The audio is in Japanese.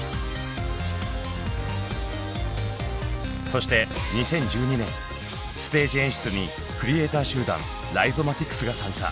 そして２０１２年ステージ演出にクリエイター集団ライゾマティクスが参加。